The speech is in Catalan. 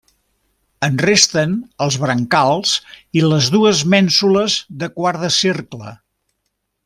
En resten els brancals i les dues mènsules de quart de cercle.